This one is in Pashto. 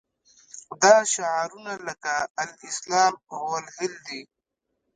دا شعارونه لکه الاسلام هو الحل دي.